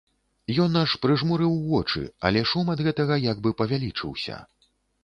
Ён аж прыжмурыў вочы, але шум ад гэтага як бы павялічыўся.